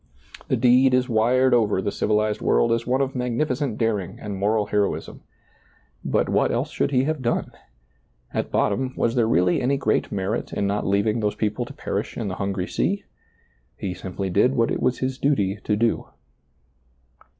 The deed is wired over the civilized world as one of magnificent daring and moral heroism. But what else should he have done ? At bot tom, was there really any great merit in not leav ing those people to perish in the hungry sea? He simply did what it was his duty to do.